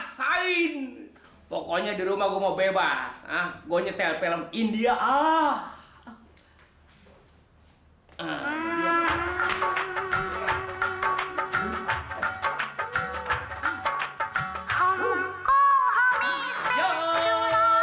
sampai jumpa di video selanjutnya